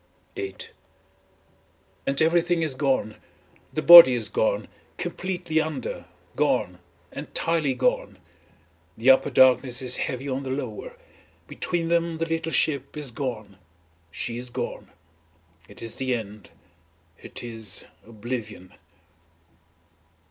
VIII And everything is gone, the body is gone completely under, gone, entirely gone. The upper darkness is heavy as the lower, between them the little ship is gone It is the end, it is oblivion.